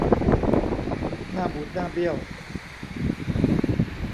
หน้าบูดหน้าเบี้ยว